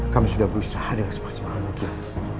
maaf kami sudah beristirahat dengan semangat mahal mungkin